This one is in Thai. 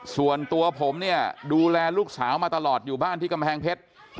ส่วนตัวผมเนี่ยดูแลลูกสาวมาตลอดอยู่บ้านที่กำแพงเพชร